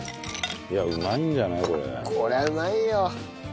これはうまいよ。